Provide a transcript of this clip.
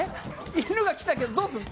犬が来たけどどうするの？